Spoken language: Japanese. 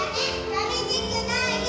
さみしくないよ。